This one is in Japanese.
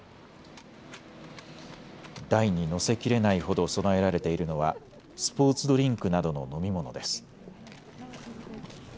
台に載せきれないほど供えられているのはスポーツドリンクなどの飲み物です。